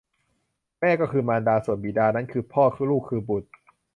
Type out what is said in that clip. แม่ก็คือมารดา ส่วนบิดานั้นคือพ่อ ลูกคือบุตร